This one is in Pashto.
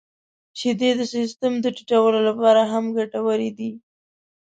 • شیدې د سیستم د ټيټولو لپاره هم ګټورې دي.